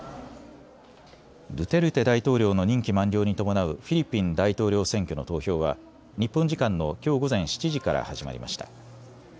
ドゥテルテ大統領の任期満了に伴うフィリピン大統領選挙の投票は日本時間のきょう午前７時から始まりました。